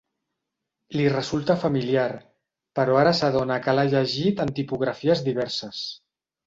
Li resulta familiar, però ara s'adona que l'ha llegit en tipografies diverses.